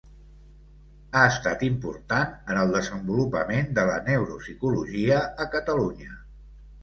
Ha estat important en el desenvolupament de la neuropsicologia a Catalunya.